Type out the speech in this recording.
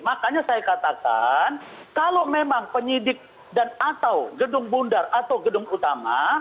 makanya saya katakan kalau memang penyidik dan atau gedung bundar atau gedung utama